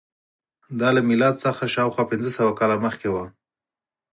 دا له میلاد څخه شاوخوا پنځه سوه کاله مخکې وه.